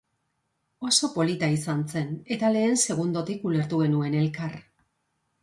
Oso polita izan zen, eta lehen segundotik ulertu genuen elkar.